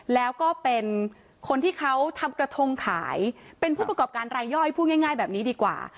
แล้วก็เป็นคนที่เขาทำกระทงขายเป็นผู้ประกอบการรายย่อยพูดง่ายแบบนี้ดีกว่า